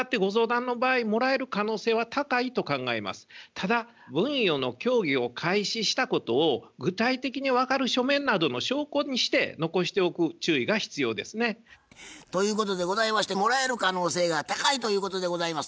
ただ分与の協議を開始したことを具体的に分かる書面などの証拠にして残しておく注意が必要ですね。ということでございましてもらえる可能性が高いということでございます。